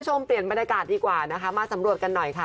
เปลี่ยนบรรยากาศดีกว่านะคะมาสำรวจกันหน่อยค่ะ